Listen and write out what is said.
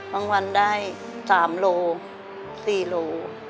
วันได้๓โล๔โล